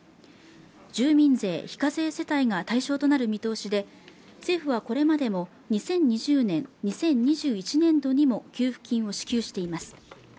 住民税非課税世帯が対象となる見通しで政府はこれまでも２０２０年２０２１年度にも給付金を支給しています